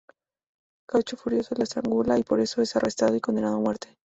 Cacho, furioso, lo estrangula y por eso es arrestado y condenado a muerte.